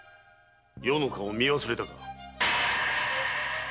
余の顔を見忘れたか？